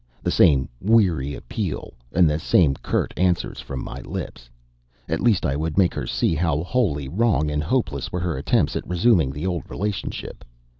The same weary appeal, and the same curt answers from my lips. At least I would make her see how wholly wrong and hopeless were her attempts at resuming the old relationship.